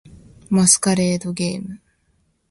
masquerade game